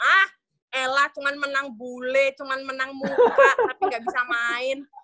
ah ella cuma menang bule cuman menang muka tapi gak bisa main